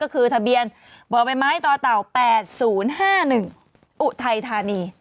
ก็คือทะเบียนบมตต๘๐๕๑อุทัยธานี